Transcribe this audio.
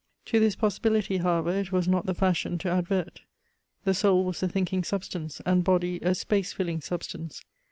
To this possibility, however, it was not the fashion to advert. The soul was a thinking substance, and body a space filling substance.